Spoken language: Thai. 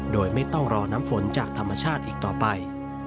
โดยไม่ต้องรอน้ำฝนจากธรรมชาติอีกต่อไป